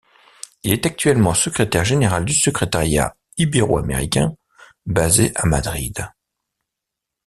Il est actuellement Secrétaire Général du Secrétariat ibéro-américain, basé à Madrid.